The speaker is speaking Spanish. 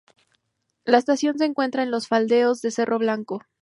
La estación se encuentra en los faldeos del cerro Blanco.